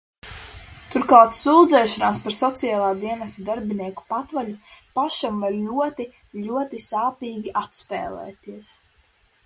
Turklāt sūdzēšanās par Sociālā dienesta darbinieku patvaļu pašam var ļoti, ļoti sāpīgi atspēlēties.